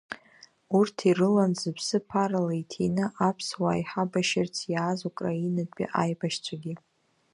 Урҭ ирылан зыԥсы ԥарала иҭины аԥсуаа иҳабашьырц иааз Украинатәи аибашьцәагьы.